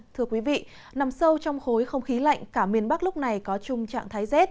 thưa quý vị nằm sâu trong khối không khí lạnh cả miền bắc lúc này có chung trạng thái rét